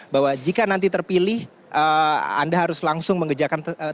bahwa jika nanti terpilih anda harus langsung mengejarkan tersebut